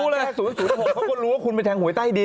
เพราะมันรู้ว่าคุณไปแทงห่วยใต้ดิน